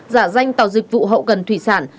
giả danh tàu dịch vụ hậu gần thủy sản